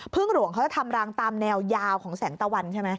หลวงเขาจะทำรังตามแนวยาวของแสงตะวันใช่ไหม